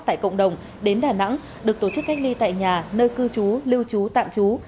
tại cộng đồng đến đà nẵng được tổ chức cách ly tại nhà nơi cư trú lưu trú tạm trú